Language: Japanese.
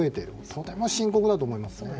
とても深刻だと思います。